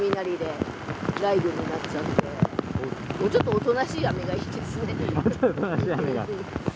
もうちょっとおとなしい雨が。